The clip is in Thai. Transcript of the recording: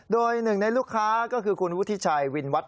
โดยหนึ่งในลูกค้าก็คือคุณวุฒิชัยวินวัด